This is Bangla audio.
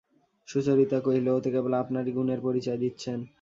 সুচরিতা কহিল, ওতে কেবল আপনারই গুণের পরিচয় দিচ্ছেন।